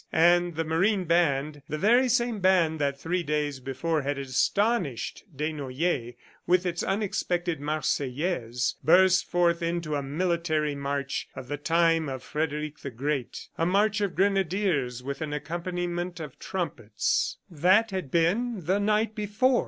And the marine band, the very same band that three days before had astonished Desnoyers with its unexpected Marseillaise, burst forth into a military march of the time of Frederick the Great a march of grenadiers with an accompaniment of trumpets. That had been the night before.